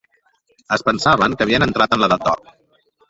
Es pensaven que havien entrat en l'edat d'or.